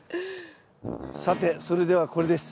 さてそれではこれです。